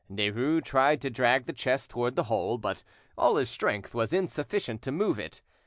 Derues tried to drag the chest towards the hole, but all his strength was insufficient to move it.